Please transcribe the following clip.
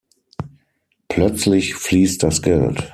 Plötzlich fließt das Geld.